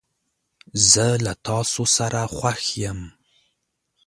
زه له تاسو سره خوښ یم.